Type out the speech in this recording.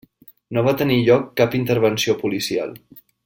No va tenir lloc cap intervenció policial.